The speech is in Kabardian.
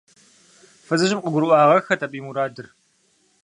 Фызыжьым къыгурыӏуагъэххэт абы и мурадыр.